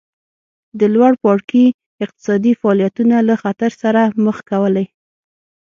د لوړ پاړکي اقتصادي فعالیتونه له خطر سره مخ کولې